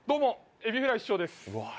エビフライ師匠です。